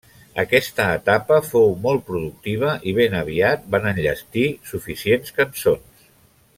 Aquesta etapa fou molt productiva i ben aviat van enllestir suficients cançons.